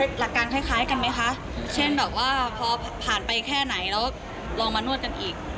หลักการคล้ายกันไหมคะเช่นแบบว่าพอผ่านไปแค่ไหนแล้วลองมานวดกันอีก